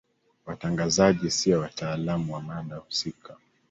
watangazaji siyo wataalamu wa mada husika